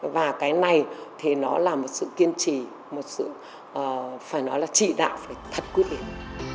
và cái này thì nó là một sự kiên trì một sự phải nói là trị đạo phải thật quyết định